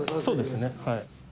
そうですねはい。